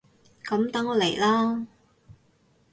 噉等我嚟喇！